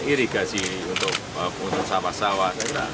irigasi untuk sawah sawah